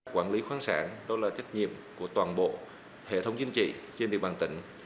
quản lý khoáng sản đó là trách nhiệm của toàn bộ hệ thống chính trị trên địa bàn tỉnh